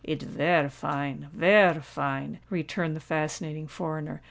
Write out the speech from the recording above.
"It vare fine—vare fine," returned the fascinating foreigner.